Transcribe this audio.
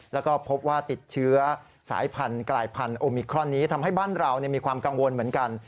แล้วก็พบว่าติดเชื้อสายพันธุ์กลายพันธุ์โอมิครอนนี้ทำให้บ้านเรามีความกังวลเหมือนกัน